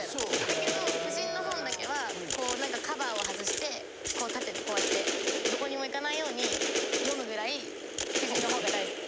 だけど夫人の本だけはこうなんかカバーを外してこう縦にこうやってどこにも行かないように読むぐらい夫人の本が大好き。